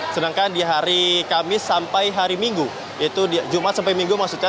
sedangkan di hari kamis sampai hari minggu yaitu jumat sampai minggu maksudnya